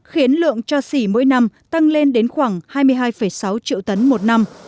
khiến lượng cho xỉ mỗi năm tăng lên đến khoảng hai mươi hai sáu triệu tấn một năm